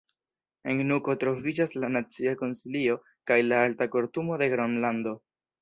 En Nuko troviĝas la Nacia Konsilio kaj la Alta Kortumo de Gronlando.